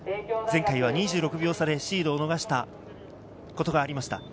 前回は２６秒差でシードを逃したことがありました。